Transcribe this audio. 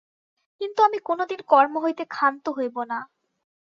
কিন্তু আমি কোনদিন কর্ম হইতে ক্ষান্ত হইব না।